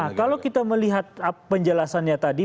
nah kalau kita melihat penjelasannya tadi